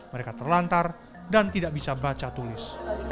mereka terlantar dan tidak bisa baca tulis